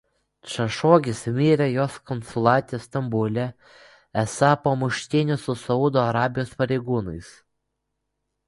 Chašogis mirė jos konsulate Stambule esą po muštynių su Saudo Arabijos pareigūnais.